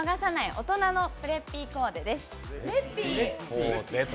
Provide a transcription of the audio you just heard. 大人のプレッピーコーデです。